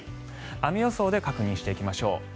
雨予想で確認していきましょう。